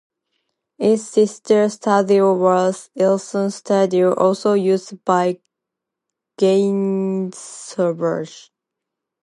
Its sister studio was Islington Studios, also used by Gainsborough.